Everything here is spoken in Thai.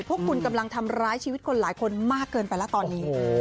พวกคุณกำลังทำร้ายชีวิตคนหลายคนมากเกินไปแล้วตอนนี้